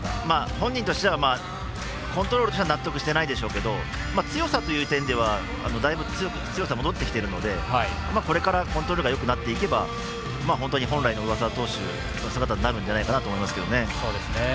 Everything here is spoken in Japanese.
本人としてはコントロールには納得していないでしょうけど強さという点ではだいぶ強さ、戻ってきているのでこれからコントロールが戻ってくれば本当に本来の上沢投手の姿になるんじゃないかなと思いますけどね。